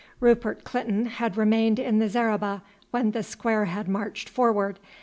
Rupert Clinton had remained in the zareba when the square had marched forward.